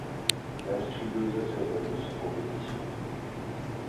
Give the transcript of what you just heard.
Il inscrit deux essais lors de cette compétition.